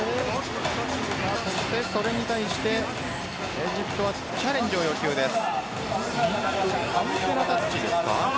それに対してエジプトはチャレンジを要求です。